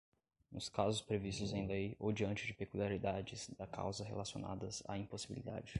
Nos casos previstos em lei ou diante de peculiaridades da causa relacionadas à impossibilidade